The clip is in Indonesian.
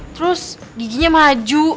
terus giginya maju